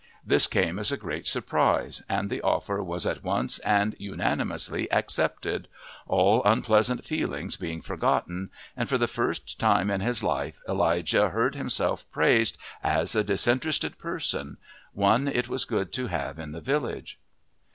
This came as a great surprise, and the offer was at once and unanimously accepted, all unpleasant feelings being forgotten, and for the first time in his life Elijah heard himself praised as a disinterested person, one it was good to have in the village.